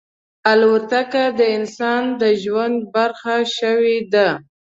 الوتکه د انسان د ژوند برخه شوې ده.